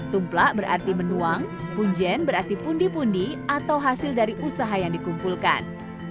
tumplak berarti menuang punjen berarti pundi pundi atau hasil dari usaha yang dikumpulkan